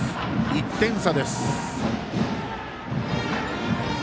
１点差です。